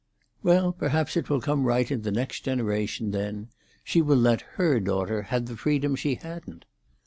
"Well, perhaps it will come right in the next generation, then; she will let her daughter have the freedom she hadn't."